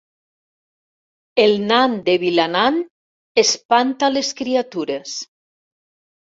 El nan de Vilanant espanta les criatures